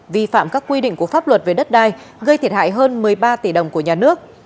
vi phạm các quy định của pháp luật về đất đai gây thiệt hại hơn một mươi ba tỷ đồng của nhà nước